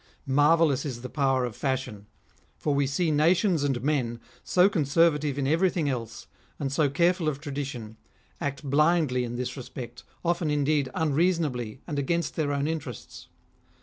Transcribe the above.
" Marvellous is the power of fashion ! For we see nations and men, so conservative in everything else, and so careful of tradition, act blindly in this respect, often indeed unreasonably, and against their own interests.